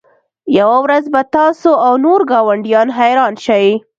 یوه ورځ به تاسو او نور ګاونډیان حیران شئ